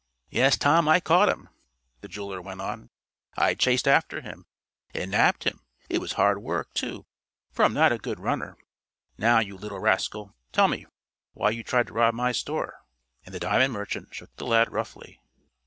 "Yes, Tom I caught him," the jeweler went on. "I chased after him, and nabbed him. It was hard work, too, for I'm not a good runner. Now, you little rascal, tell me why you tried to rob my store?" and the diamond merchant shook the lad roughly.